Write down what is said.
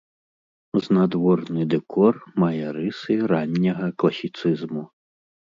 Знадворны дэкор мае рысы ранняга класіцызму.